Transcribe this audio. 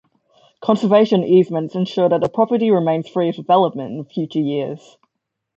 Conservation easements ensure that the property remains free of development in future years.